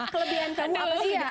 kelebihan kamu apa sih ya